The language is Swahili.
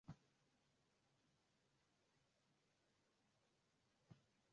hudson alifariki tarehe mbili oktoba elfu moja mia tisa themanini na tano